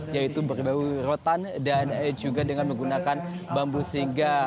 yaitu berbau rotan dan juga dengan menggunakan bambu singgah